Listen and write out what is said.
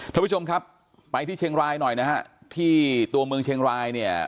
ท่านผู้ชมครับไปที่เชียงรายหน่อยนะฮะที่ตัวเมืองเชียงรายเนี่ย